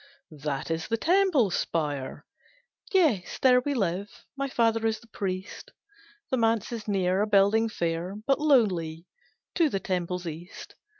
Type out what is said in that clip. "That is the temple spire." "Yes, there We live; my father is the priest, The manse is near, a building fair But lowly, to the temple's east.